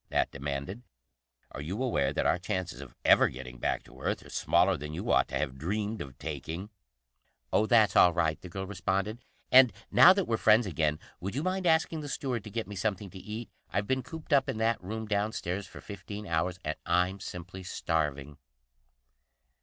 Nat demanded. "Are you aware that our chances of ever getting back to Earth are smaller than you ought to have dreamed of taking?" "Oh, that's all right," the girl responded. "And now that we're friends again, would you mind asking the steward to get me something to eat? I've been cooped up in that room downstairs for fifteen hours, and I'm simply starving."